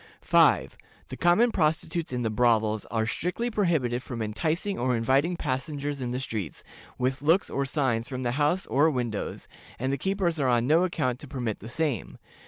"5. The common prostitutes in the brothels are strictly prohibited from enticing or inviting passengers in the streets, with looks or signs from the houses or windows, and the keepers are on no account to permit the same.